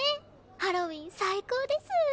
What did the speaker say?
ハロウィーン最高です！